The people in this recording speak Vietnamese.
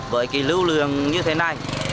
với lưu lường như thế này